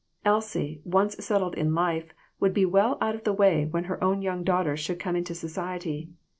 Elsie, once settled in life, would be well out of the way when her own young daughters should come into society.